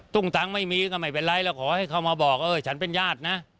ตังค์ไม่มีก็ไม่เป็นไรแล้วขอให้เขามาบอกเออฉันเป็นญาตินะ